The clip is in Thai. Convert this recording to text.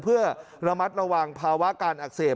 เพื่อระมัดระวังภาวะการอักเสบ